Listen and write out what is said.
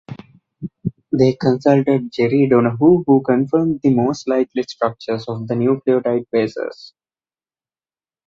They consulted Jerry Donohue who confirmed the most likely structures of the nucleotide bases.